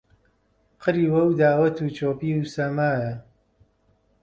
قریوە و داوەت و چۆپی و سەمایە